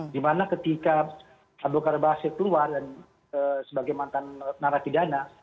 dimana ketika abu bakar basir keluar dan sebagai mantan narapidana